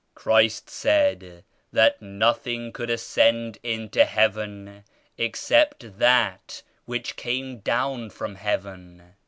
"Christ said that nothing could ascend into Heaven except that which came down from Heaven.